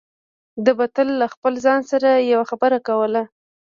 ده به تل له خپل ځان سره يوه خبره کوله.